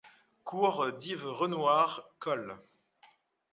Cours d'Yves Renouard, coll.